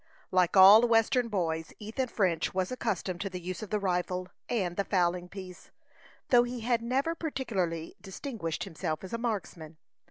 Like all western boys, Ethan French was accustomed to the use of the rifle and the fowling piece, though he had never particularly distinguished himself as a marksman.